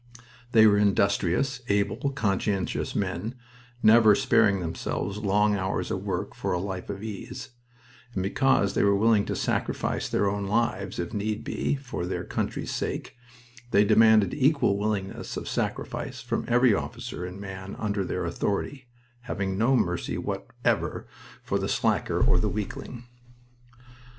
They were industrious, able, conscientious men, never sparing themselves long hours of work for a life of ease, and because they were willing to sacrifice their own lives, if need be, for their country's sake, they demanded equal willingness of sacrifice from every officer and man under their authority, having no mercy whatever for the slacker or the weakling.